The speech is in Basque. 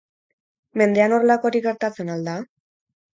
Mendean horrelakorik gertatzen al da?